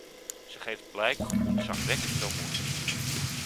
Ze geeft blijk van ontzagwekkend veel moed.